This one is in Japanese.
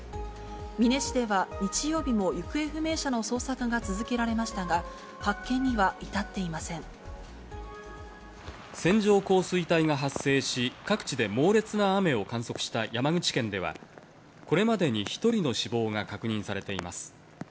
美祢市では日曜日も行方不明者の捜索が続けられましたが、発見に線状降水帯が発生し、各地で猛烈な雨を観測した山口県では、これまでに１人の死亡が確認されています。